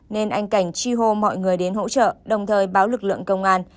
nên anh cảnh chi hô mọi người đến hỗ trợ đồng thời báo lực lượng công an